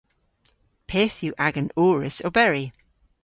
Pyth yw agan ourys oberi?